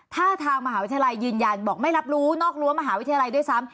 ถ้าทางมหาวิทยาลัยยืนยันบอกไม่รับรู้นอกรั้วมหาวิทยาลัยด้วยซ้ำ